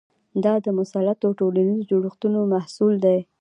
دا د مسلطو ټولنیزو جوړښتونو محصول دی.